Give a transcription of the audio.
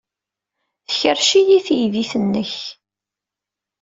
Tkerrec-iyi teydit-nnek.